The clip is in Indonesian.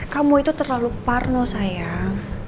kamu itu terlalu parno sayang